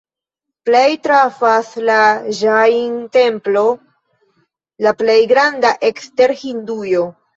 Plej trafas la Ĵain-templo, la plej granda ekster Hindujo.